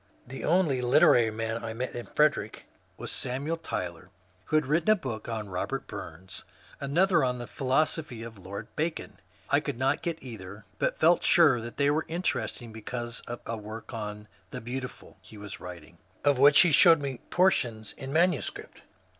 The only literary man I met in Frederick was Samuel Tyler, who had written a book on Bobert Bums, another on the Philosophy of Lord Bacon. I could not get either, but felt sure they were interesting because of a work on ^^ The Beautiful " he was writing, of which he showed me portions in manuscript.